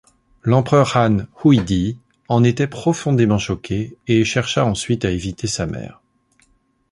L'empereur Han Huidi en était profondément choqué et chercha ensuite à éviter sa mère.